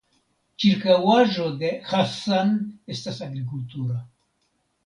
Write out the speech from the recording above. Ĉirkaŭaĵo de Hassan estas agrikultura.